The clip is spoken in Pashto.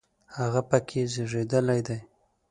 هغه په کې زیږېدلی دی.